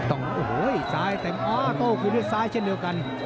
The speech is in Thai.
โอ้โหซ้ายเต็มอ๋อโต้คืนด้วยซ้ายเช่นเดียวกัน